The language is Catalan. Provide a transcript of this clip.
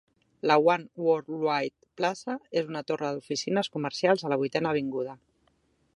La One Worldwide Plaza és una torre d'oficines comercials a la Vuitena Avinguda.